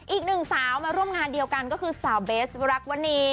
อีกหนึ่งสาวมาร่วมงานเดียวกันก็คือสาวเบสรักวนี